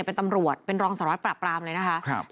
เป็นตำรวจเป็นรองสหราชประปรามเลยนะคะครับ